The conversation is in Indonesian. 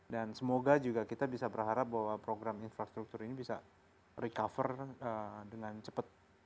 dan semoga juga kita bisa berharap bahwa program infrastruktur ini bisa recover dengan cepat